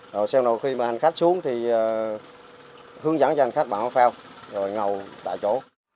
rồi sau đó khi mà hành khách xuống thì hướng dẫn cho hành khách bằng áo phao rồi ngầu tại chỗ